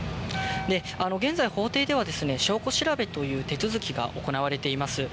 現在、法廷で証拠調べという手続きが行われています。